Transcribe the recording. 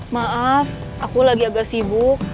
maaf aku lagi agak sibuk